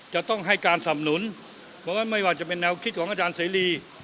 จะต้องให้การสำนุนเพราะว่าไม่ว่าจะเป็นแนวคิดของอาจารย์เสรี